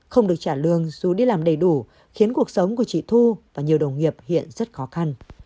không được trả lương dù đi làm đầy đủ khiến cuộc sống của chị thu và nhiều đồng nghiệp hiện rất khó khăn